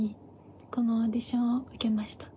このオーディションを受けました。